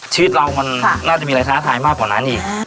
ชีวิตเราน่าจะมีค้าถ้ายมากกว่านั้นอีก